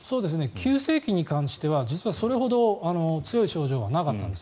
急性期に関しては実はそれほど強い症状はなかったんです。